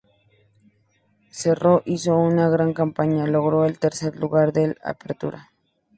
Cerro hizo una gran campaña, logró el tercer lugar del Apertura.